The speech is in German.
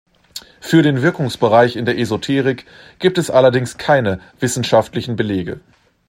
Für den Wirkungsbereich in der Esoterik gibt es allerdings keine wissenschaftlichen Belege.